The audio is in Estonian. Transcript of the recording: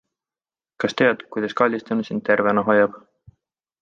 Kas tead, kuidas kallistamine sind tervena hoiab?